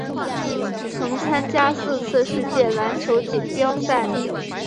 曾参加四次世界篮球锦标赛。